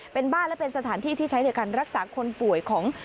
เป็นบ้านและเป็นสถานที่ที่ใช้ในการรักษาคนป่วยของ